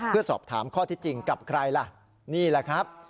เพื่อสอบถามข้อที่จริงกับใครล่ะนี่แหละครับ